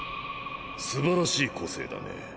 素晴らしい個性だね。